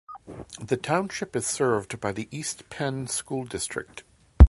The Township is served by the East Penn School District.